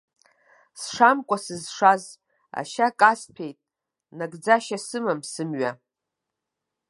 Сшамкәа сызшаз, ашьа касҭәеит, нагӡашьа сымам сымҩа.